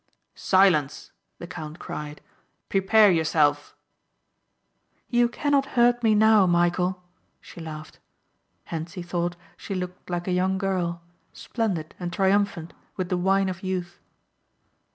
"Silence," the count cried. "Prepare yourself." "You cannot hurt me now, Michæl," she laughed. Hentzi thought she looked like a young girl, splendid and triumphant with the wine of youth.